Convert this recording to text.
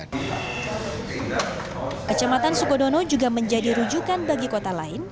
kecamatan sukodono juga menjadi rujukan bagi kota lain